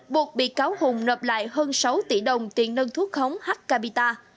buộc bị cáo hùng nộp lại hơn sáu tỷ đồng tiền nâng thuốc khống h capita